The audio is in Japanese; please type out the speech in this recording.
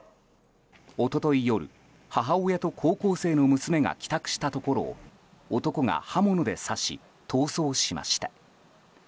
一昨日夜、母親と高校生の娘が帰宅したところを男が刃物で刺し、逃走しました。